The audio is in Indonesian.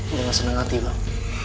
udah gak seneng hati bang